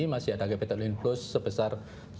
masih ada capital inflows sebesar satu tujuh